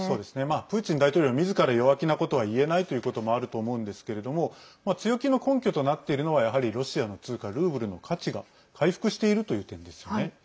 プーチン大統領みずから弱気なことは言えないということもあると思うんですけれども強気の根拠となっているのはやはりロシアの通貨ルーブルの価値が回復しているという点ですよね。